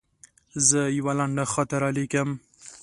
زه یوه لنډه خاطره لیکم.